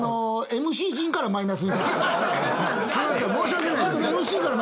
ＭＣからマイナス。